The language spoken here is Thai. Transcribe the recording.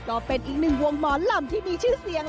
ก็เป็นอีกหนึ่งวงหมอลำที่มีชื่อเสียง